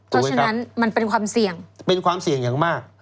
เพราะฉะนั้นมันเป็นความเสี่ยงเป็นความเสี่ยงอย่างมาก